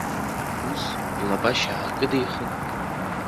Ус, илабашьа аакыдихын.